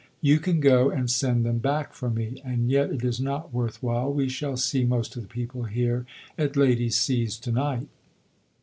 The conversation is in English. " You can go, and send them back for me — and yet it is not worth while, we shall see most of the people here at Lady C 's to night."